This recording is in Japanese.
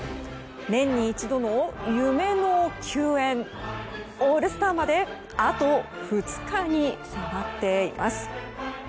年に一度の夢の球宴オールスターまであと２日に迫っています。